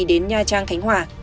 đến nha trang khánh hòa